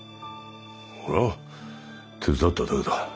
俺は手伝っただけだ。